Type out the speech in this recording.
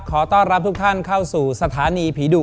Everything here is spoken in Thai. ขอต้อนรับทุกท่านเข้าสู่สถานีผีดุ